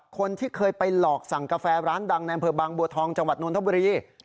คนที่เคยไปหลอกสั่งกาแฟร้านดังในอำเภอบางบัวทองจังหวัดนทบุรี